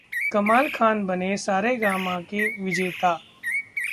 कमाल खान बने ‘सा रे गा मा’ के विजेता